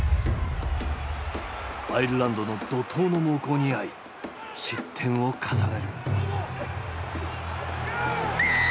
アイルランドの怒とうの猛攻に遭い失点を重ねる。